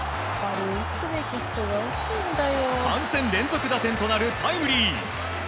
３戦連続打点となるタイムリー。